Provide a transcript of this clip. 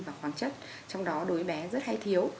và khoản chất trong đó đối với bé rất hay thiếu